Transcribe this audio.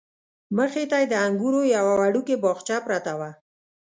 مخې ته یې د انګورو یوه وړوکې باغچه پرته وه.